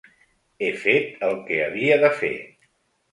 He fet el que havia de fer.